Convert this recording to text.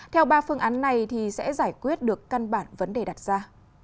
theo ba phương án này thì sẽ giải quyết được căn bản vấn đề đặt ra